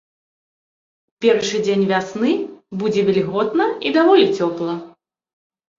У першы дзень вясны будзе вільготна і даволі цёпла.